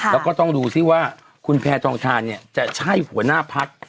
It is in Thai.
แล้วก็ต้องดูซิว่าคุณแพทองทานเนี่ยจะใช่หัวหน้าพัก